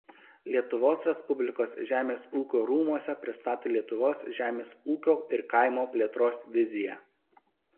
Lietuvos Respublikos žemės ūkio rūmuose pristatė Lietuvos žemės ūkio ir kaimo plėtros viziją.